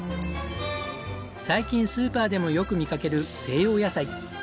最近スーパーでもよく見かける西洋野菜。